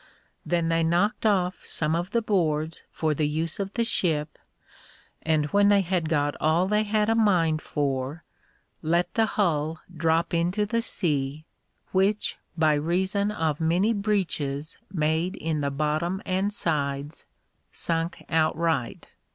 Then they knocked off some of the boards for the use of the ship, and when they had got all they had a mind for, let the hull drop into the sea, which, by reason of many breaches made in the bottom and sides, sunk outright.